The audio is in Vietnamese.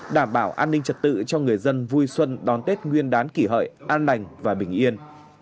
đảm bảo an ninh trật tự cho người dân vui xuân đón tết nguyên đán kỷ hợi an lành và bình yên